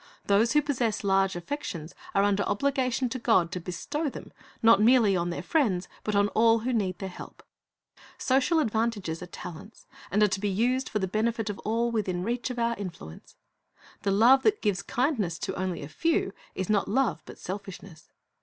Those who possess large affections are under obligation to God to bestow them, not merely on their friends, but on all who need their help. Social advantages are talents, and are to be used for the benefit of all within reach of our influence. The love that gives kindness to only a few is not love, but selfishness.